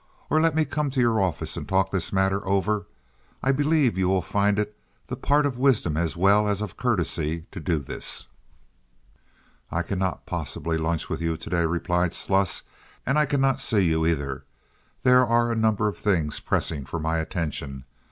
Or let me come to your office and talk this matter over. I believe you will find it the part of wisdom as well as of courtesy to do this." "I cannot possibly lunch with you to day," replied Sluss, "and I cannot see you, either. There are a number of things pressing for my attention.